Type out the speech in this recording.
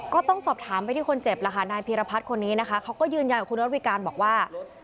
ก็ต้องสอบถามไปที่คนเจ็บแล้วค่ะนายพีรพัฒน์คนนี้นะคะเขาก็ยืนยันกับคุณระวิการบอกว่า